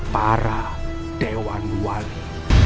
para dewan wali